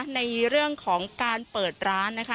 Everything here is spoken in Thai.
ในเรื่องของการเปิดร้านนะคะ